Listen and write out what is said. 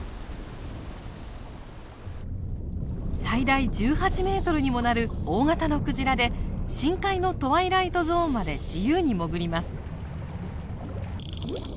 最大１８メートルにもなる大型のクジラで深海のトワイライトゾーンまで自由に潜ります。